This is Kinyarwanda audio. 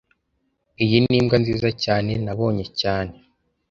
Iyi nimbwa nziza cyane nabonye cyane